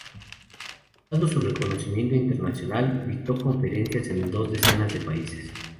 Dado su reconocimiento internacional, dictó conferencias en dos decenas de países.